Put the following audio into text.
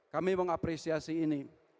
kami mengapresiasi ini